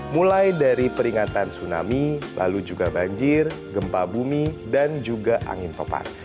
mulai dari peringatan tsunami lalu juga banjir gempa bumi dan juga angin pepan